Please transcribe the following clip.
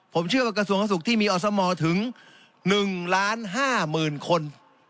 ผมเชื่อว่ากระทรวงสุขที่มีอสมถึง๑๕๐๐๐คน